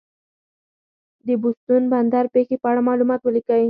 د بوستون بندر پېښې په اړه معلومات ولیکئ.